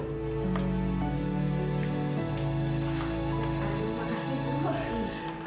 terima kasih bu